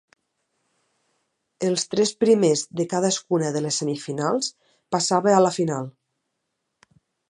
Els tres primers de cadascuna de les semifinals passava a la final.